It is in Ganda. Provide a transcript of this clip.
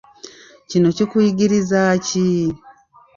Kino kukuyigirizaaki?